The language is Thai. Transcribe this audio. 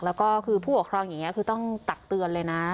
แล้วก็คือผู้ปกครองอย่างนี้คือต้องตักเตือนเลยนะ